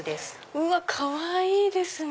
うわっかわいいですね。